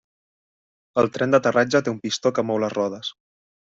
El tren d'aterratge té un pistó que mou les rodes.